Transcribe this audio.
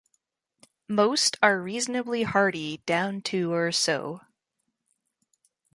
Most are reasonably hardy down to or so.